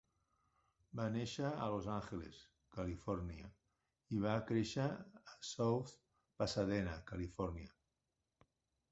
Va néixer a Los Angeles, Califòrnia i va créixer a South Pasadena, Califòrnia.